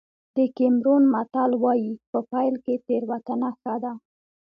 د کېمرون متل وایي په پيل کې تېروتنه ښه ده.